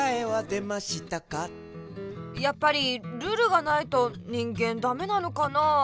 やっぱりルールがないと人間ダメなのかなあ？